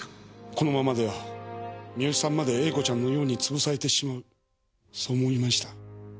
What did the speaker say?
このままでは三好さんまで詠子ちゃんのように潰されてしまうそう思いました。